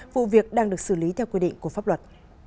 vụ việc đang được xử lý theo quy định của pháp luật